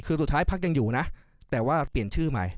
คือสุดท้ายพักยังอยู่นะแต่ว่าเปลี่ยนชื่อใหม่